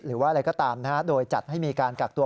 หรือว่าอะไรก็ตามนะฮะโดยจัดให้มีการกักตัว